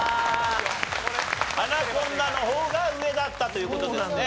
アナコンダの方が上だったという事ですね。